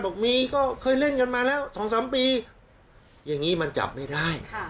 บอกมีก็เคยเล่นกันมาแล้ว๒๓ปีอย่างนี้มันจับไม่ได้